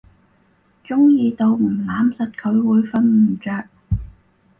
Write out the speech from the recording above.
中意到唔攬實佢會瞓唔著